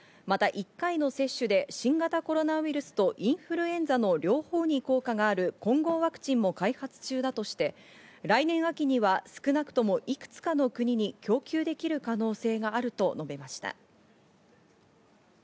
また、１回の接種で新型コロナウイルスとインフルエンザの両方に効果がある混合ワクチンも開発中だとして、来年秋には少なくともいくつかの国に供給できる可能性があると述べました。